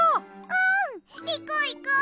うん！いこういこう！